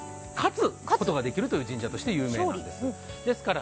勝つことができるという神社として有名だということなんです。